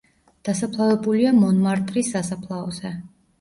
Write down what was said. დასაფლავებულია მონმარტრის სასაფლაოზე.